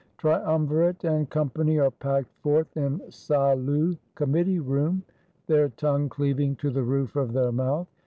Triumvirate and Company are packed forth in Salut Committee room ; their tongue cleaving to the roof of their mouth.